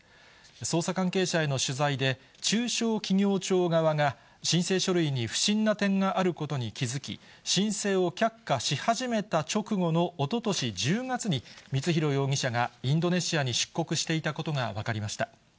捜査関係者への取材で、中小企業庁側が申請書類に不審な点があることに気付き、申請を却下し始めた直後のおととし１０月に、光弘容疑者がインドネシアに出国していたことが分かりました。